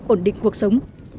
ổn định cuộc sống